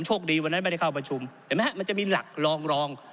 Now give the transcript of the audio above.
วันนั้นไม่ได้เข้าประชุมเห็นไหมฮะมันจะมีหลักรองรอง